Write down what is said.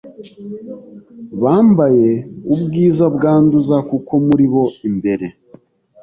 bambaye ubwiza bwanduza kuko muri bo imbere